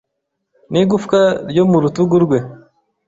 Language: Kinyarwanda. n’igufwa ryo mu rutugu rwe